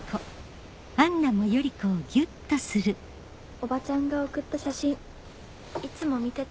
おばちゃんが送った写真いつも見てた。